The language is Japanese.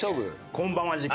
こんばんは事件